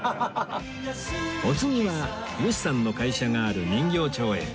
お次は吉さんの会社がある人形町へ